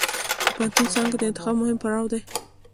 د پوهنتون څانګې د انتخاب مهم پړاو دی.